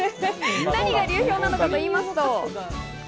何が流氷なのかといいますと。